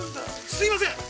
◆すいません。